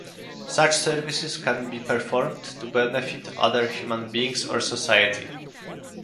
Such services can be performed to benefit other human beings or society.